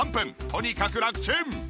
とにかくラクチン！